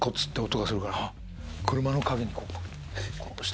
音がするから車の陰にこう。